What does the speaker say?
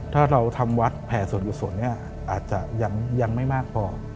ถ้าเราทำวัดแผ่ส่วนกุศลเนี่ยอาจจะยังไม่มากพอ